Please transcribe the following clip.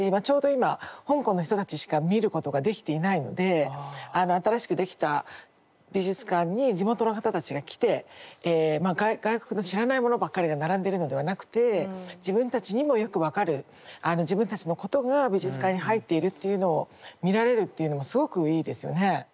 ちょうど今香港の人たちしか見ることができていないので新しく出来た美術館に地元の方たちが来てまあ外国の知らないものばっかりが並んでるのではなくて自分たちにもよく分かる自分たちのことが美術館に入っているっていうのを見られるっていうのもすごくいいですよね。